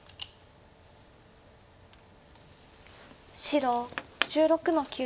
白１６の九。